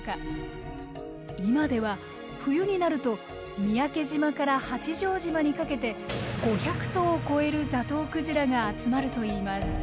今では冬になると三宅島から八丈島にかけて５００頭を超えるザトウクジラが集まるといいます。